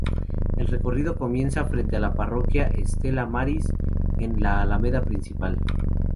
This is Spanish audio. El recorrido comienza frente a la Parroquia Estrella Maris, en la Alameda Principal.